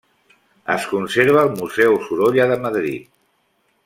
Es conserva al Museu Sorolla de Madrid.